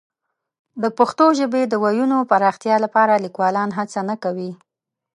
د پښتو ژبې د وییونو پراختیا لپاره لیکوالان هڅه نه کوي.